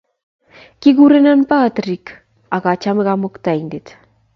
Kikurenon Patrik ako achame kamuktaindet